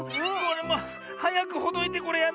はやくほどいてこれやんないと。